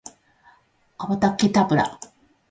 アバタケタブラ